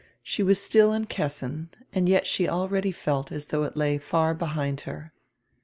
She was still in Kessin, and yet she already felt as though it lay far be hind her.